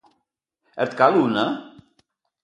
Et cal una.?